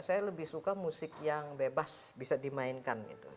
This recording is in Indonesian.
saya lebih suka musik yang bebas bisa dimainkan gitu